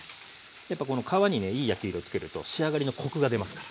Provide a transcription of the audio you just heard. やっぱこの皮にねいい焼き色つけると仕上がりのコクが出ますから。